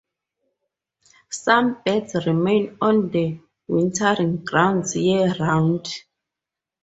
Some birds remain on the wintering grounds year-round.